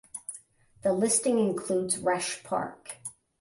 The listing includes Resch Park.